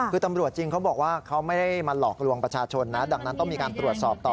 คือตำรวจจริงเขาบอกว่าเขาไม่ได้มาหลอกลวงประชาชนนะดังนั้นต้องมีการตรวจสอบต่อ